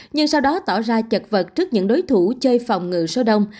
nhưng sau đó tỏ ra chật vật trước những đối thủ chơi phòng ngựa sâu đông